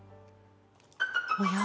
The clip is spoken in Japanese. おや？